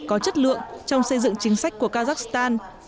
có chất lượng trong xây dựng chính sách của kazakhstan